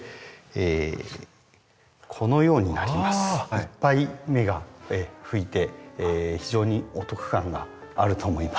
いっぱい芽が吹いて非常にお得感があると思います。